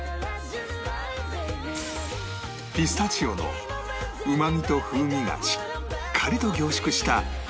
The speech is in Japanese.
ピスタチオのうまみと風味がしっかりと凝縮した